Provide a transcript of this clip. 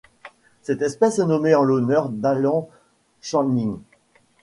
Cette espèce est nommée en l'honneur d'Alan Channing.